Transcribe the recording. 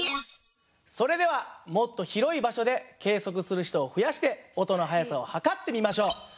それではもっと広い場所で計測する人を増やして音の速さを測ってみましょう。